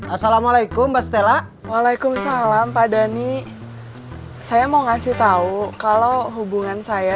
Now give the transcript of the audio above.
assalamualaikum mbak stella waalaikum salam pak dhani saya mau ngasih tahu kalau hubungan saya